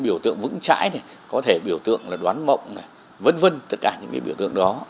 biểu tượng vững trãi có thể biểu tượng đoán mộng vân vân tất cả những biểu tượng đó